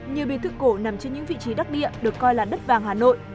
nhiều biệt thự cổ nằm trên những vị trí đắc địa được coi là đất vàng hà nội